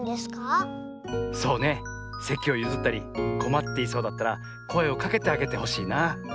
そうねせきをゆずったりこまっていそうだったらこえをかけてあげてほしいな。